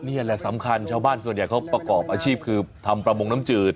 นี่แหละสำคัญชาวบ้านส่วนใหญ่เขาประกอบอาชีพคือทำประมงน้ำจืด